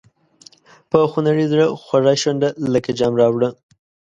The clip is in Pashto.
په خونړي زړه خوږه شونډه لکه جام راوړه.